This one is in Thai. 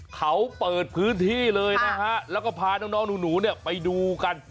เขาเปิดพื้นที่เลยนะฮะแล้วก็พาน้องหนูเนี่ยไปดูกัน